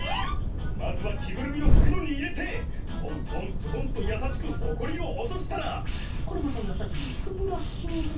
まずは着ぐるみをふくろに入れてトントントトンとやさしくほこりを落としたらこれまたやさしくブラッシングだ。